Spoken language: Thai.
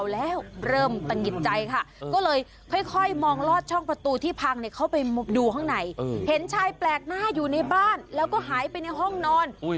แล้วก็ช่องประตูที่พังเข้าไปดูข้างในเห็นชายแปลกหน้าอยู่ในบ้านแล้วก็หายไปในห้องนอน